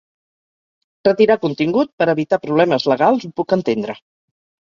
Retirar contingut per evitar problemes legals ho puc entendre.